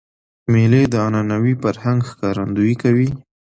مېلې د عنعنوي فرهنګ ښکارندویي کوي.